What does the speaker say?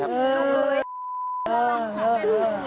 มันเป็นแค่อดีต